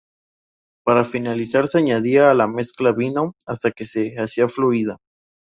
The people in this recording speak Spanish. Para finalizar se añadía a la mezcla vino hasta que se hacía fluida.